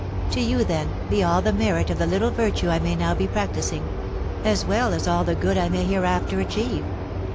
To you, then, be all the merit of the little virtue I may now be practising, as well as all the good I may hereafter achieve.